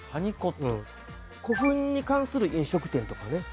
古墳に関する飲食店とかね